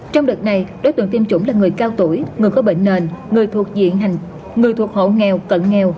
trong đợt này đối tượng tiêm chủng là người cao tuổi người có bệnh nền người thuộc diện người thuộc hộ nghèo cận nghèo